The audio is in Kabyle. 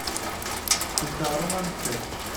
Tettett aɣrum amessas.